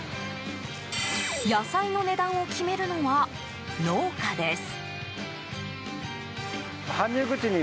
野菜の値段を決めるのは農家です。